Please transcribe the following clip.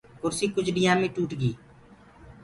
ڪُرسيٚ ڪجھُ ڏيآ مي هي ٽوٽ گئي۔